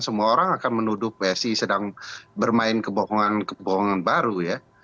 semua orang akan menuduh psi sedang bermain kebohongan kebohongan baru ya